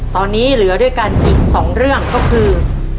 ตอนนี้เหลือด้วยกันอีก๒เรื่องก็คือ